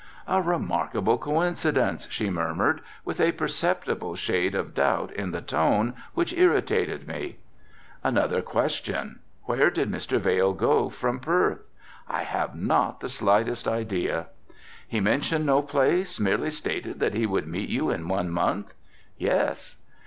"A remarkable coincidence," she murmured, with a perceptible shade of doubt in the tone which irritated me. "Another question, where did Mr. Vail go to from Perth?" "I have not the slightest idea." "He mentioned no place, merely stated that he would meet you in one month?" "Yes."